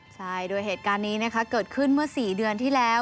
ใช่โดยเหตุการณ์นี้นะคะเกิดขึ้นเมื่อ๔เดือนที่แล้ว